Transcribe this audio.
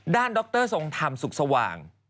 ด้านดรสงธรรมสุขสว่าง